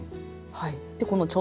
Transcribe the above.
はい。